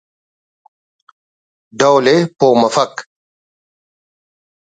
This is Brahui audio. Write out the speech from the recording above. ڈول ءِ پہہ مفک